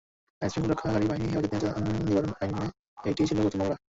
আইনশৃঙ্খলা রক্ষাকারী বাহিনীর হেফাজতে নির্যাতন নিবারণ আইনে এটিই ছিল প্রথম মামলা।